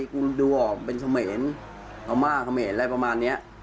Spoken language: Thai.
กูดูออกเป็นเขมรธรรมะเขมรอะไรประมาณนี้